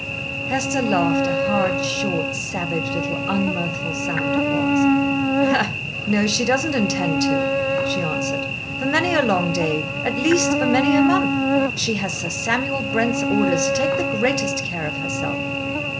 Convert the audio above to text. Hester laughed, a hard, short, savage little un mirthful sound it was. "No, she doesn't intend to," she answered, "for many a long day, at least, for many a month. She has Sir Samuel Brent's orders to take the greatest care of herself."